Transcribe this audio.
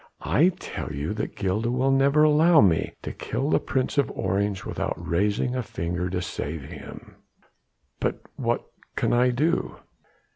I tell you that Gilda will never allow me to kill the Prince of Orange without raising a finger to save him." "But what can I do?"